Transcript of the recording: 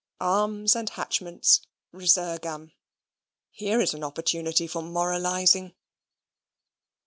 Arms and Hatchments, Resurgam. Here is an opportunity for moralising!